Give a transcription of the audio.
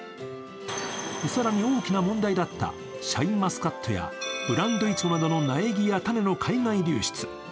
更に大きな問題だったシャインマスカットやブランドイチゴなどの苗木や種の海外流出。